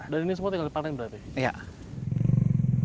dan ini semua tinggal dipanen berarti